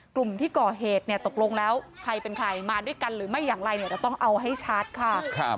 กลุ่มที่ก่อเหตุเนี่ยตกลงแล้วใครเป็นใครมาด้วยกันหรือไม่อย่างไรเนี่ยจะต้องเอาให้ชัดค่ะ